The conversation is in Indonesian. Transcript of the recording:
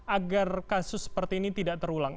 agar kasus seperti ini tidak terulang